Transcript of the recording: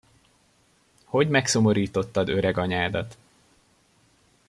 Hogy megszomorítottad öreg anyádat!